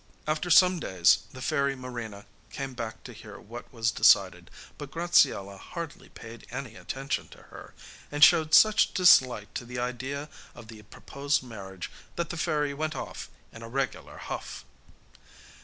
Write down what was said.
After some days, the fairy Marina came back to hear what was decided; but Graziella hardly paid any attention to her, and showed such dislike to the idea of the proposed marriage that the fairy went off in a regular huff.